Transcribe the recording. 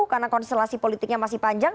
karena konsulasi politiknya masih panjang